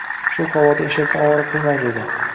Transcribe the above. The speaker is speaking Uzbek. Shu havoda eshakni ovora qilmay dedi